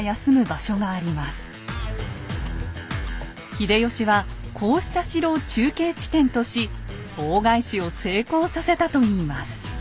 秀吉はこうした城を中継地点とし大返しを成功させたといいます。